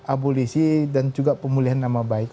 abolisi dan juga pemulihan nama baik